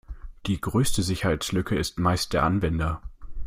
Die größte Sicherheitslücke ist meist der Anwender.